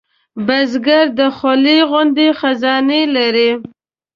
بزګر د خولې غوندې خزانې لري